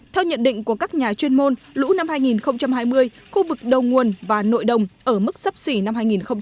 theo nhận định của các nhà chuyên môn lũ năm hai nghìn hai mươi khu vực đầu nguồn và nội đồng ở mức sấp xỉ năm hai nghìn một mươi chín